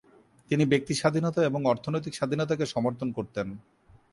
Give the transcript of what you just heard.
তিনি ব্যক্তি স্বাধীনতা এবং অর্থনৈতিক স্বাধীনতাকে সমর্থন করতেন।